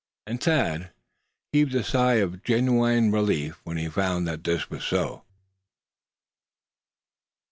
And Thad heaved a sigh of genuine relief when he found that this was so.